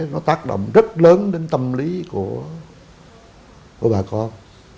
nó tác động rất lớn đến tâm lý của bà con